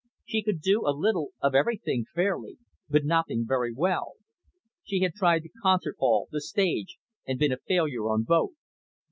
She could do a little of everything fairly, but nothing very well. She had tried the concert hall, the stage, and been a failure on both.